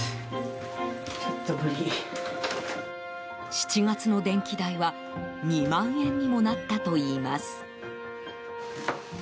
７月の電気代は２万円にもなったといいます。